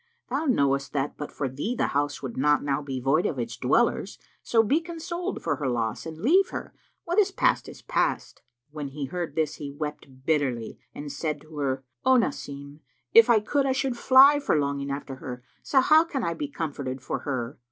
Thou knowest that, but for thee, the house would not now be void of its dwellers: so be consoled for her loss and leave her: what is past is past." When he heard this, he wept bitterly and said to her, "O Nasim, if I could, I should fly for longing after her; so how can I be comforted for her?"